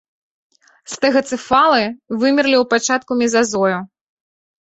Стэгацэфалы вымерлі ў пачатку мезазою.